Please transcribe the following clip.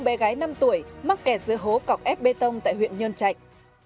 bé gái năm tuổi mắc kẹt giữa hố cọc ép bê tông tại huyện nhơn trạch